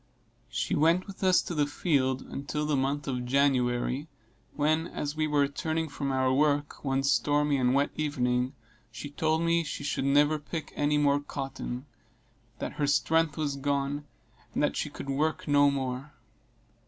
She went with us to the field until the month of January, when, as we were returning from our work, one stormy and wet evening, she told me she should never pick any more cotton that her strength was gone, and she could work no more.